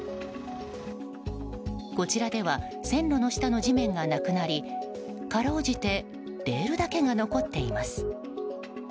こちらでは線路の下の地面がなくなりかろうじてレールだけが残っています。